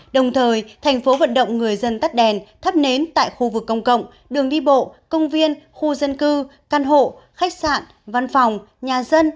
đồng thời tp hcm người dân tắt đèn thắp nến tại khu vực công cộng đường đi bộ công viên khu dân cư căn hộ khách sạn văn phòng nhà dân